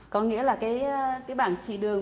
có nghĩa là cái bảng chỉ đường